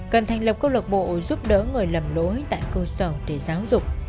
cần thành lập các luật bộ giúp đỡ người lầm lỗi tại cơ sở để giáo dục